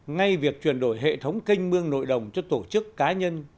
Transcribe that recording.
ngay việc chuyển đổi hệ thống canh mương nội đồng cho tổ chức cá nhân